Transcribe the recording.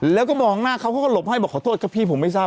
แล้วก็มองหน้าเขาเขาก็หลบให้บอกขอโทษครับพี่ผมไม่ทราบ